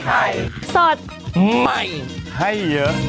อ้าว